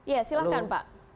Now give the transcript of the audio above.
ya silahkan pak